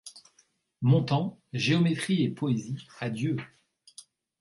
Montant, géométrie et poésie, à Dieu !